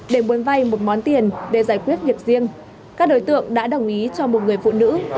để muốn vay một món tiền để giải quyết việc riêng các đối tượng đã đồng ý cho một người phụ nữ